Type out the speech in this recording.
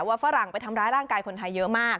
ฝรั่งไปทำร้ายร่างกายคนไทยเยอะมาก